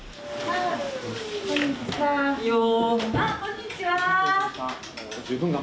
あっこんにちは。